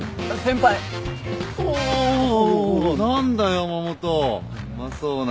山本うまそうな